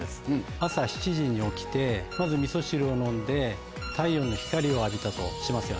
朝７時に起きてまずみそ汁を飲んで太陽の光を浴びたとしますよね。